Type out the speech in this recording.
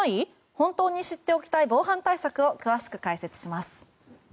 本当に知っておきたい防犯対策を詳しく解説します。